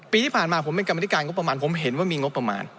ปีที่ผ่านมาผมเป็นกรรมนิการงบประมาณผมเห็นว่ามีงบประมาณ